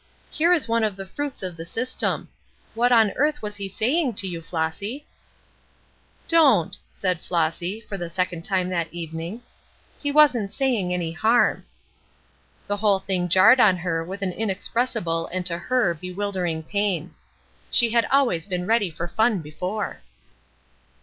Here is one of the fruits of the system! What on earth was he saying to you, Flossy?" "Don't!" said Flossy, for the second time that evening. "He wasn't saying any harm." The whole thing jarred on her with an inexpressible and to her bewildering pain. She had always been ready for fun before.